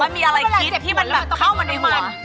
มันมีอะไรคิดที่เข้ามันในหัว